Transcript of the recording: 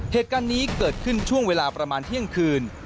เหตุการณ์นี้เกิดขึ้นช่วงเวลาประมาณเที่ยงคืน